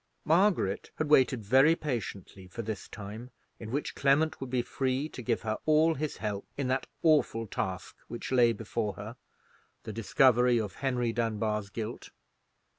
Margaret had waited very patiently for this time, in which Clement would be free to give her all his help in that awful task which lay before her—the discovery of Henry Dunbar's guilt.